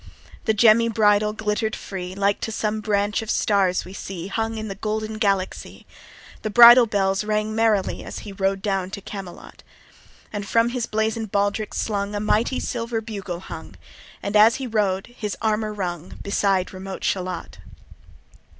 The gemmy bridle glitter'd free, Like to some branch of stars we see Hung in the golden Galaxy. The bridle bells rang merrily As he rode down to Camelot: And from his blazon'd baldric slung A mighty silver bugle hung, And as he rode his armour rung, Beside remote Shalott.